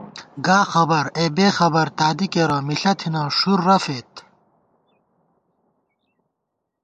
گا خبر اے بېخبر تادی کېرہ مِݪہ تھنہ ݭُرہ فېد